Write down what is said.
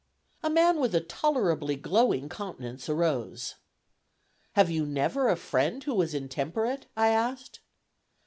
A man with a tolerably glowing countenance arose. "Had you never a friend who was intemperate?" I asked.